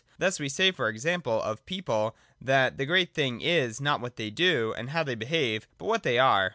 Thus we say, for example, of people, that the great thing is not what they do or how they behave, but what they are.